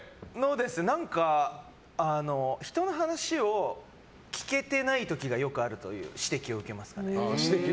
人の話を聞けてない時がよくあるという指摘を受けますかね。